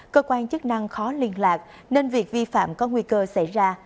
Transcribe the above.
cơ quan chức năng khó liên lạc nên việc vi phạm có nguy cơ xảy ra